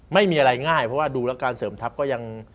ไม่มีอะไรง่ายเพราะว่าดูแล้วการเสริมทัพก็ยัง